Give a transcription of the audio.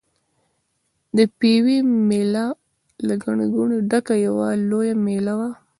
د پېوې مېله له ګڼې ګوڼې ډکه یوه لویه مېله وه.